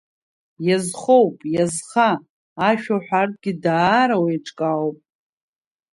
Иазхоуп, иазха, ашәа уҳәартәгьы даара уеиҿкаауп.